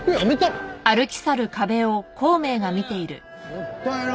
もったいな。